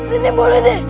nenek boleh deh